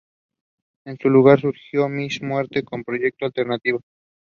Operas are to be based on the "Juche" ideology.